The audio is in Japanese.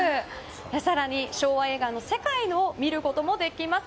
更に昭和映画の世界を見ることもできます。